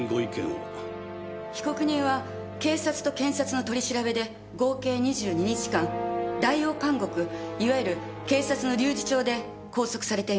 被告人は警察と検察の取り調べで合計２２日間代用監獄いわゆる警察の留置場で拘束されていました。